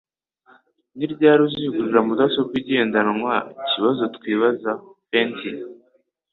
Ni ryari uzigurira mudasobwa igendanwaikibazo twibaza (fanty)